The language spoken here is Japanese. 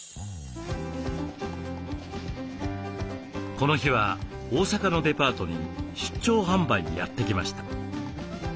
この日は大阪のデパートに出張販売にやって来ました。